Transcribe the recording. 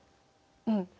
うん。